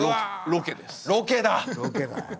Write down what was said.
ロケだよ。